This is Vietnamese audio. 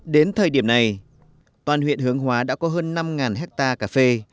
đến thời điểm này toàn huyện hướng hóa đã có hơn năm hectare cà phê